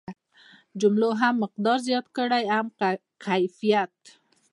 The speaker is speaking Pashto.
جملو هم مقدار زیات کړ هم کیفیت.